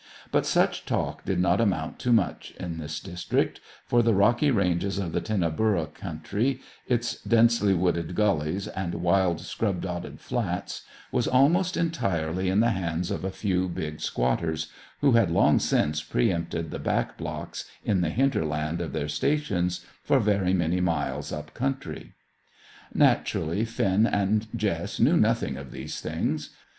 But such talk did not amount to much in this district, for the rocky ranges of the Tinnaburra country, its densely wooded gullies, and wild scrub dotted flats, was almost entirely in the hands of a few big squatters, who had long since pre empted the back blocks in the hinterland of their stations for very many miles up country. Naturally, Finn and Jess knew nothing of these things.